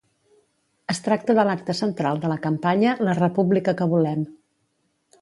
Es tracta de l’acte central de la campanya La república que volem.